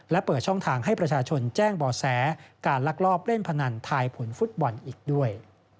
และเปิดช่องทางให้ประชาชนแจ้งบ่อแสการลักลอบเล่นพนันทายผลฟุตบอลอีกด้วย